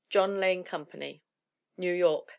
John Lane Company. New York.